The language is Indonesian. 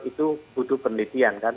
itu butuh penelitian kan